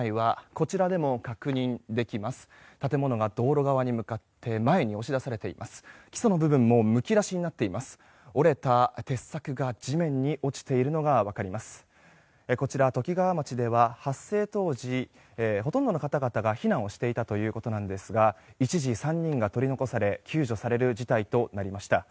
こちら、ときがわ町では発生当時、ほとんどの方々が避難をしていたということですが一時３人が取り残され救助される事態となりました。